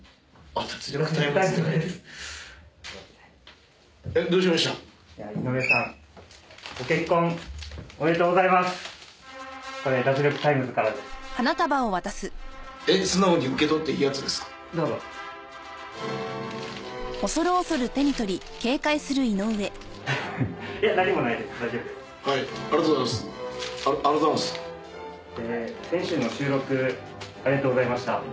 ありがとうございます。